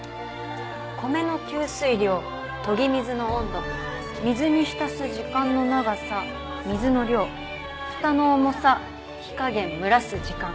米の吸水量研ぎ水の温度水に浸す時間の長さ水の量ふたの重さ火加減蒸らす時間。